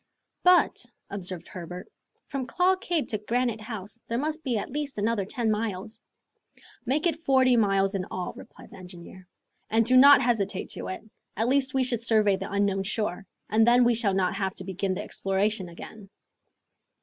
"But," observed Herbert, "from Claw Cape to Granite House there must be at least another ten miles. "Make it forty miles in all," replied the engineer, "and do not hesitate to do it. At least we should survey the unknown shore, and then we shall not have to begin the exploration again."